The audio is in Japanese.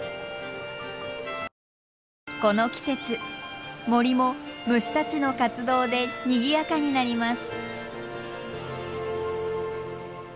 この季節森も虫たちの活動でにぎやかになります。